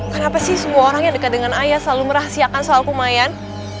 kenapa sih semua orang yang dekat dengan ayah selalu merahasiakan soal lumayan